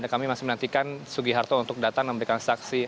kami masih menantikan sugi harto untuk datang memberikan saksi